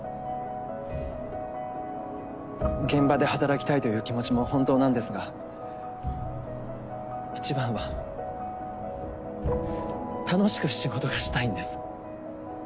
現場で働きたいという気持ちも本当なんですが一番は楽しく仕事がしたいんです。